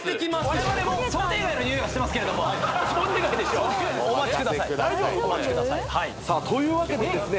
我々も想定外のニオイがしてますけど想定外でしょお待ちくださいさあというわけでですね